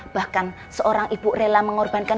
bahkan seorang ibu rela mengorbankan